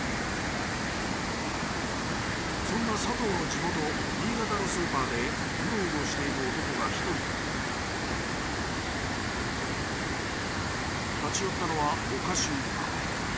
そんなサトウの地元新潟のスーパーでウロウロしている男が一人立ち寄ったのはお菓子売り場。